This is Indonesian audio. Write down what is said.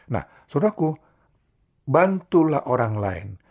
nah saudara aku bantulah orang lain